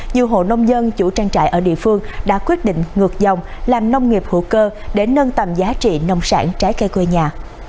nhiều hộ nông dân chủ trang trại ở địa phương đã quyết định ngược dòng làm nông nghiệp hữu cơ để nâng tầm giá trị nông sản trái cây quê nhà